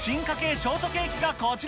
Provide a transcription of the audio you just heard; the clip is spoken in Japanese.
ショートケーキがこちら。